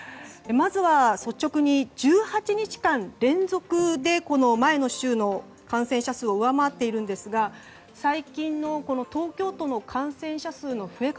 まずは、率直に１８日間連続でこの前の週の感染者を上回っているんですが最近の東京都の感染者数の増え方